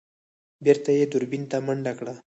بېرته يې دوربين ته منډه کړه.